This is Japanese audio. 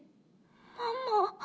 ママ。